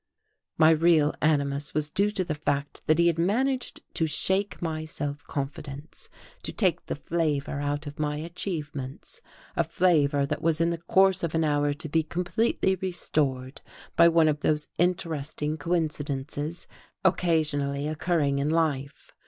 My real animus was due to the fact that he had managed to shake my self confidence, to take the flavour out of my achievements, a flavour that was in the course of an hour to be completely restored by one of those interesting coincidences occasionally occurring in life.